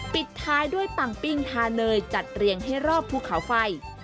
ปิดท้ายด้วยปังปิ้งทาเนยจัดเรียงให้รอบภูเขาไฟ